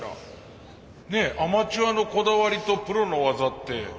「アマチュアのこだわりとプロの技」って。